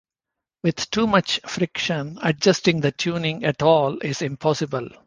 With too much friction, adjusting the tuning at all is impossible.